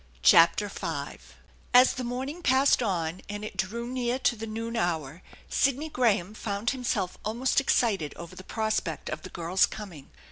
CHAPTER V As the morning passed on and it drew near to the noofl hour Sidney Graham found himself almost excited over the prospect of the girl's coming.